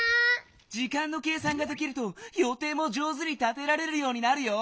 時間の計算ができるとよていも上手に立てられるようになるよ。